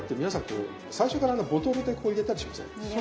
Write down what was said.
こう最初からボトルで入れたりしません？